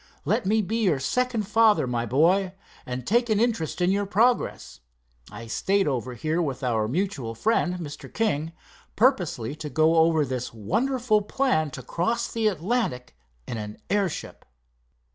Let me be your second father, my boy, and take an interest in your progress. I stayed over here with our mutual friend, Mr. King, purposely to go over this wonderful plan to cross the Atlantic in an airship."